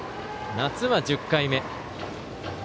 夏は１０回目。